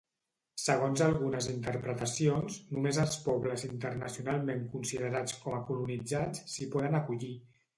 Segons algunes interpretacions, només els pobles internacionalment considerats com a colonitzats s'hi poden acollir.